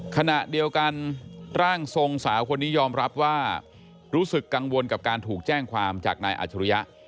ขณะเดียวกันร่างทรงสาวคนนี้ยอมรับว่ารู้สึกกังวลกับการถูกแจ้งความจากนายอาจรุยะ